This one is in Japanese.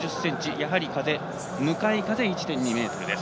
やはり風、向かい風１．２メートルです。